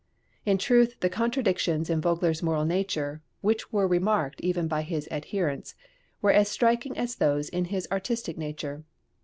In truth the contradictions in Vogler's moral nature, which were remarked even by his adherents, were as striking as those in his artistic nature.